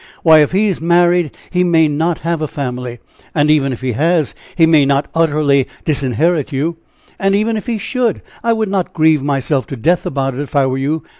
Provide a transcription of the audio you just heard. Why, if he is married, he may not have a family, and even if he has, he may not utterly disinherit you, and even if he should, I would not grieve myself to death about it if I were you!